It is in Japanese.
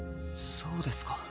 そうですか。